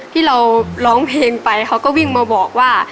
ที่เราร้องเพลงไปเขาก็วิ่งมาบอกว่า